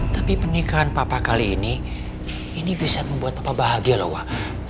tapi pernikahan papa kali ini ini bisa membuat bapak bahagia loh pak